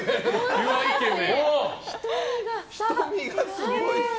瞳がすごい。